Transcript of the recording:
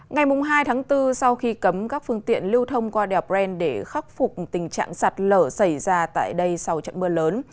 ngày hai tháng bốn sau khi cấm các phương tiện lưu thông qua đèo bren để khắc phục tình trạng sạt lở xảy ra tại đây sau trận mưa lớn